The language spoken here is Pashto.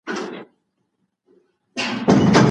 څنګ کي یوه بله ویډیو هم په یوتیوب کي خپره